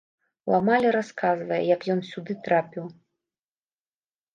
Ламалі расказвае, як ён сюды трапіў.